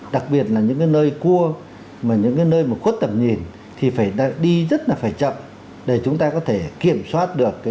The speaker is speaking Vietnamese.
đặc biệt là những cái nơi cua những cái nơi mà khuất tầm nhìn thì phải đi rất là phải chậm để chúng ta có thể kiểm soát được